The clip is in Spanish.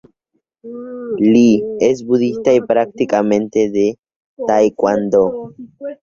Lee es Budista y practicante de Taekwondo.